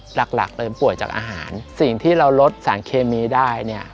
หลักหลักเลยป่วยจากอาหารสิ่งที่เราลดสารเคมีได้เนี่ย